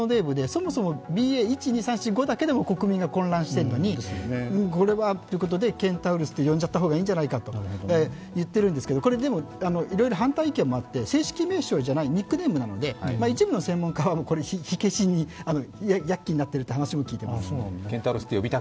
そもそもＢＡ．１、２、３、４、５だけでも国民が混乱しているのにこれはということで、ケンタウロスと呼んじゃった方がいいんじゃないかと言っているんですが、でも、いろいろ反対意見もあって、正式名称ではないニックネームなので、一部の専門家はこれは火消しに躍起になっているという話も聞いています。